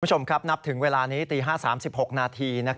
คุณผู้ชมครับนับถึงเวลานี้ตี๕๓๖นาที